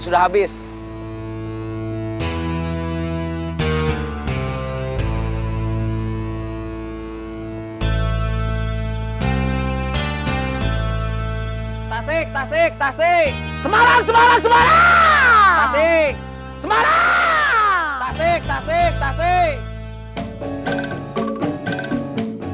sudah selesai berhenti mesin dan lume